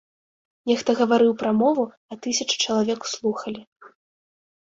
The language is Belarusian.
Нехта гаварыў прамову, а тысяча чалавек слухалі.